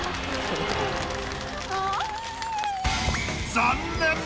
残念！